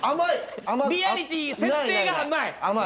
リアリティー設定が甘い。